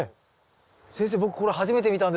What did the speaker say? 先生僕これ初めて見たんですけど。